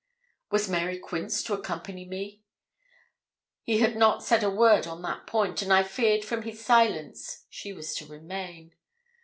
Was Mary Quince to accompany me? He had not said a word on that point; and I feared from his silence she was to remain.